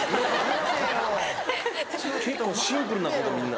結構シンプルなことみんな。